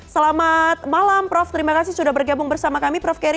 selamat malam prof terima kasih sudah bergabung bersama kami prof keri